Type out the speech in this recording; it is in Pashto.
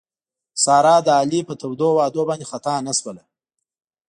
ساره د علي په تودو وعدو باندې خطا نه شوله.